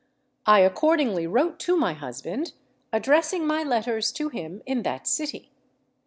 I accordingly wrote to my husband, addressing my letters to him in that city.